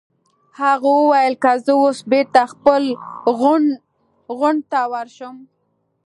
هغه وویل: که زه اوس بېرته خپل غونډ ته ورشم.